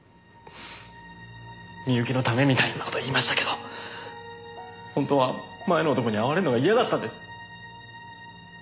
深雪のためみたいな事言いましたけど本当は前の男に会われるのが嫌だったんです。